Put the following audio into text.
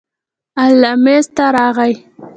ال میز ته راغی.